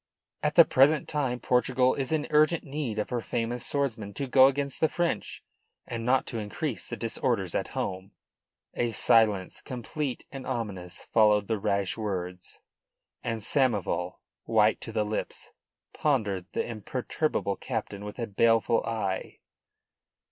"At the present time Portugal is in urgent need of her famous swordsmen to go against the French and not to increase the disorders at home." A silence complete and ominous followed the rash words, and Samoval, white to the lips, pondered the imperturbable captain with a baleful eye.